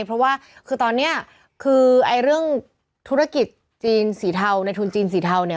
เพราะว่าคือตอนนี้คือเรื่องธุรกิจจีนสีเทาในทุนจีนสีเทาเนี่ย